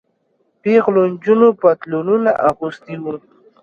پيغلو نجونو پتلونونه اغوستي وو.